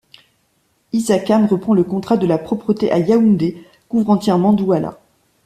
Hysacam reprend le contrat de la propreté à Yaoundé, couvre entièrement Douala.